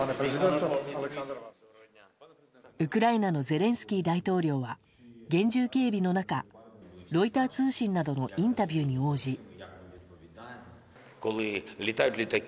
ウクライナのゼレンスキー大統領は厳重警備の中ロイター通信などのインタビューに応じ。